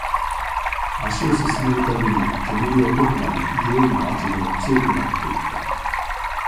足を進めるたびに、煙は濃くなり、においも味も強くなっていった